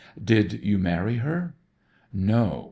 "Did you marry her?" "No.